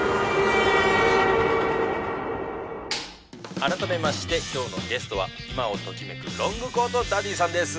「改めまして今日のゲストは今をときめくロングコートダディさんです」